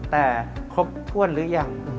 แต่ครบถ้วนหรือยัง